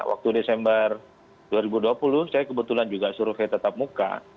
waktu desember dua ribu dua puluh saya kebetulan juga survei tetap muka